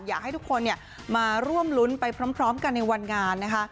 อยากให้ทุกคนมาร่วมรุ้นไปพร้อมกันในวันงานนะคะ